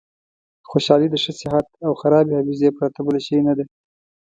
خوشحالي د ښه صحت او خرابې حافظې پرته بل شی نه ده.